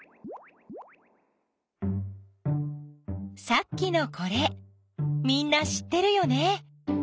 さっきのこれみんな知ってるよね。